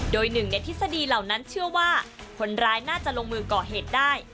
โดยหนึ่งในทฤษฎีเหล่านั้นเชื่อว่าคนร้ายน่าจะลงมือก่อเหตุได้